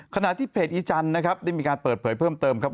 ขณะที่เพจอีจันทร์นะครับได้มีการเปิดเผยเพิ่มเติมครับ